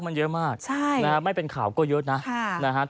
มันเยอะมากไม่เป็นข่าวก็เยอะนะ